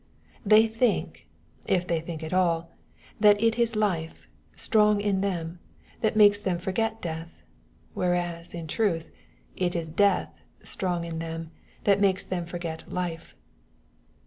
They think, if they think at all, that it is life, strong in them, that makes them forget death; whereas, in truth, it is death, strong in them, that makes them forget life.